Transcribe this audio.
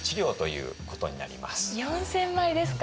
４０００枚ですか。